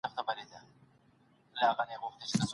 د ږیري خاوند کولای سي ډنډ ته د چاڼ ماشین یوسي.